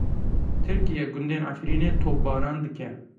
Tirkiye, gundên Efrînê topbaran dike.